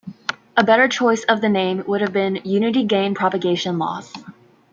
A better choice of the name would have been "unity-gain propagation loss".